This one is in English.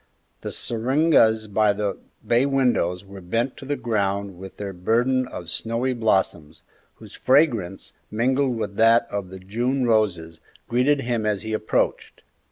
The syringas by the bay windows were bent to the ground with their burden of snowy blossoms, whose fragrance, mingled with that of the June roses, greeted him as he approached.